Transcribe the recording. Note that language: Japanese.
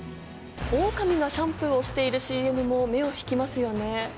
オオカミがシャンプーをしているＣＭも目を引きますよね。